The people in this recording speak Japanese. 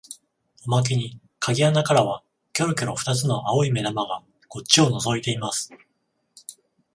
おまけに鍵穴からはきょろきょろ二つの青い眼玉がこっちをのぞいています